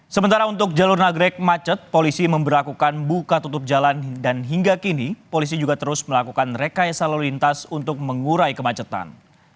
sementara untuk jalur nagrek macet polisi memperlakukan buka tutup jalan dan hingga kini polisi juga terus melakukan rekayasa lalu lintas untuk mengurai kemacetan